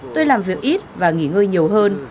tôi làm việc ít và nghỉ ngơi nhiều hơn